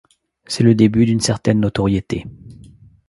C'est le début d'une certaine notoriété.